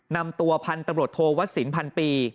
นำตัวพันธุ์ตำรวจโทวัดสินพันปี